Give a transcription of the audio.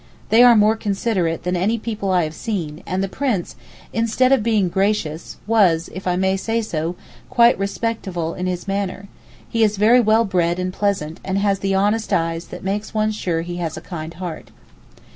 They were more considerate than any people I have seen, and the Prince, instead of being gracious, was, if I may say so, quite respectful in his manner: he is very well bred and pleasant, and has the honest eyes that makes one sure he has a kind heart.